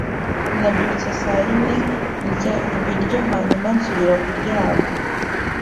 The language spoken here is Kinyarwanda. Nabyutse saa yine, ndya ibiryo, hanyuma nsubira kuryama.